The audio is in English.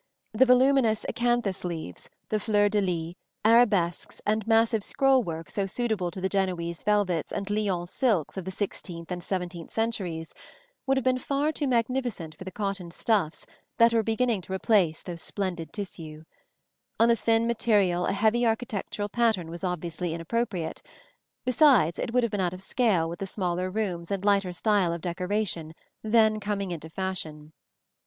The voluminous acanthus leaves, the fleur de lys, arabesques and massive scroll work so suitable to the Genoese velvets and Lyons silks of the sixteenth and seventeenth centuries, would have been far too magnificent for the cotton stuffs that were beginning to replace those splendid tissues. On a thin material a heavy architectural pattern was obviously inappropriate; besides, it would have been out of scale with the smaller rooms and lighter style of decoration then coming into fashion.